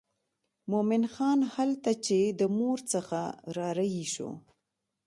مومن خان هلته چې د مور څخه را رهي شو.